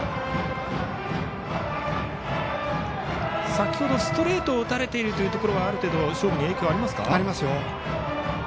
先程ストレートを打たれているというところはある程度勝負に影響ありますか。